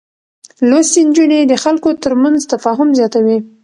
لوستې نجونې د خلکو ترمنځ تفاهم زياتوي.